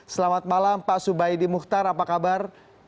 selamat malam pak subaidimuhtar apa kabar